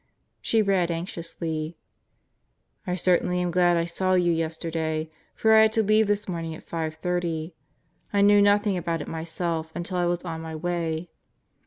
She read anxiously: I certainly am glad I saw you yesterday; for I had to leave this morning at 5:30. I knew nothing about it myself until I was on my way.